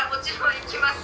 「行きます！」